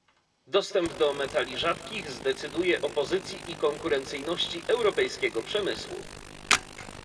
Dostęp do metali rzadkich zdecyduje o pozycji i konkurencyjności europejskiego przemysłu